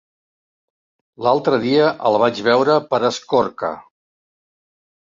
L'altre dia el vaig veure per Escorca.